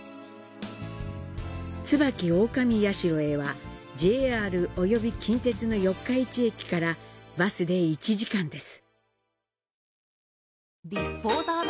椿大神社へは、ＪＲ及び近鉄の四日市駅からバスで１時間です。